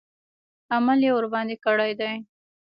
عمل یې ورباندې کړی دی.